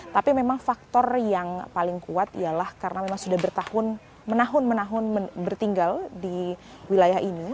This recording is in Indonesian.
tapi memang faktor yang paling kuat ialah karena memang sudah bertahun menahun menahun bertinggal di wilayah ini